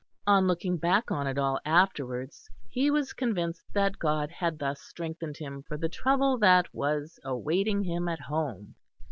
On looking back on it all afterwards he was convinced that God had thus strengthened him for the trouble that was awaiting him at home.